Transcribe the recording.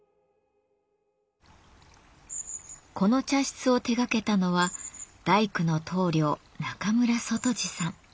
この茶室を手がけたのは大工の棟梁・中村外二さん。